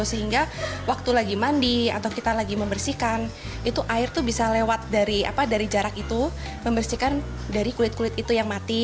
sehingga waktu lagi mandi atau kita lagi membersihkan itu air itu bisa lewat dari jarak itu membersihkan dari kulit kulit itu yang mati